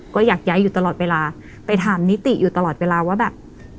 ก็อยากย้ายอยู่ตลอดเวลาไปถามนิติอยู่ตลอดเวลาว่าแบบ